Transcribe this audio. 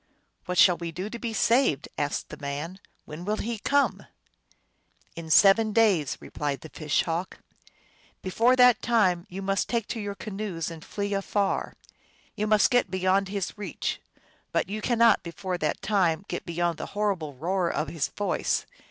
" What shall we do to be saved ?" asked the man. " When will he come ?"" In seven days," replied the Fish Hawk. " Before that time you must take to your canoes and flee afar. You may get beyond his reach, but you cannot before that time get beyond the horrible roar of his voice.